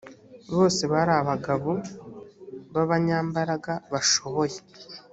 bose bari abagabo b abanyambaraga bashoboye